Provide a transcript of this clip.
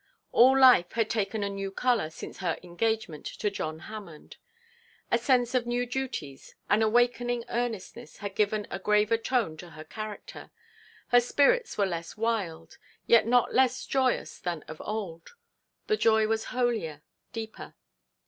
All life had taken a new colour since her engagement to John Hammond. A sense of new duties, an awakening earnestness had given a graver tone to her character. Her spirits were less wild, yet not less joyous than of old. The joy was holier, deeper.